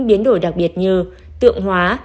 biến đổi đặc biệt như tượng hóa